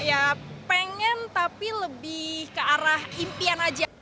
ya pengen tapi lebih ke arah impian aja